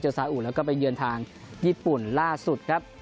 สาอุแล้วก็ไปเยือนทางญี่ปุ่นล่าสุดครับ